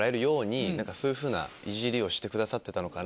そういうふうないじりをしてくださってたのかなと。